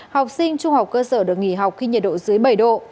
học sinh trung học cơ sở được nghỉ học khi nhiệt độ dưới bảy độ